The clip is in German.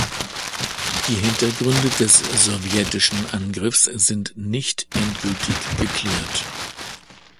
Die Hintergründe des sowjetischen Angriffs sind nicht endgültig geklärt.